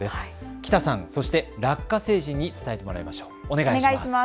喜多さん、そしてラッカ星人に伝えてもらいます。